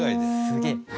すげえ」